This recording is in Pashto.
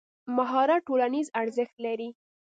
مهارت ټولنیز ارزښت لري.